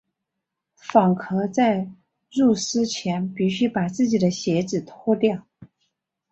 访客在入寺前必须把自己的鞋子脱掉。